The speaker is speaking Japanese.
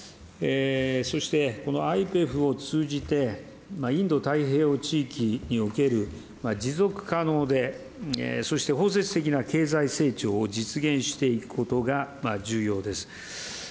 そして、このＩＰＥＦを通じて、インド太平洋地域における持続可能で、そして包摂的な経済成長を実現していくことが重要です。